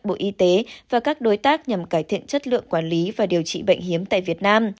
bộ y tế và các đối tác nhằm cải thiện chất lượng quản lý và điều trị bệnh hiếm tại việt nam